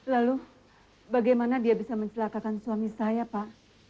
lalu bagaimana dia bisa mencelakakan suami saya pak